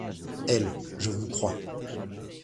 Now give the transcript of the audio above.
Elle : Je vous crois.